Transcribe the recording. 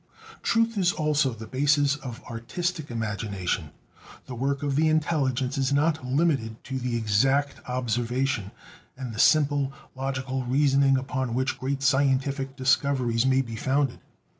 =Truth is also the basis of artistic imagination=. The work of the intelligence is not limited to the exact observation and the simple, logical reasoning upon which great scientific discoveries may be founded.